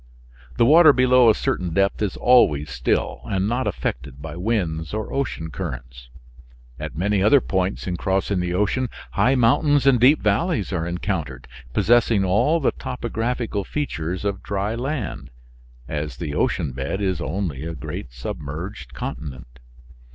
The water below a certain depth is always still and not affected by winds or ocean currents. At many other points in crossing the ocean, high mountains and deep valleys are encountered, possessing all the topographical features of dry land as the ocean bed is only a great submerged continent.